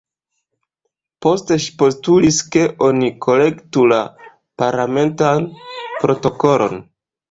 Poste ŝi postulis, ke oni korektu la parlamentan protokolon.